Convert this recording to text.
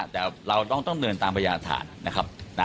แต่เราต้องเดินตามพยาฐานนะครับ